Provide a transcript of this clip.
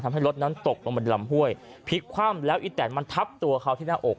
ทำให้รถนั้นตกลงบนลำห้วยพลิกคว่ำแล้วอีแตนมันทับตัวเขาที่หน้าอก